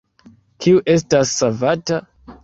Kiu estas savata?